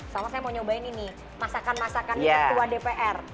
sama saya mau nyobain ini nih masakan masakannya ketua dpr